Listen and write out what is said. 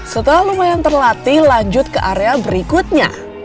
setelah lumayan terlatih lanjut ke area berikutnya